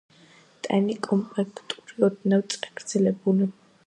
ტანი კომპაქტურია, ოდნავ წაგრძელებული.